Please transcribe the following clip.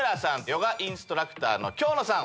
ヨガインストラクターの京乃さん